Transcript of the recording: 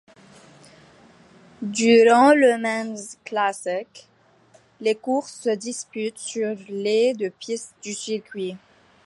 Durant Le Mans Classic, les courses se disputent sur les de piste du circuit.